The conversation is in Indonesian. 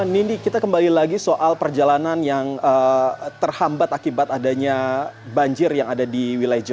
nindi kita kembali lagi soal perjalanan yang terhambat akibat adanya banjir yang ada di wilayah jawa